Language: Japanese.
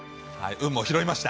運も拾いました。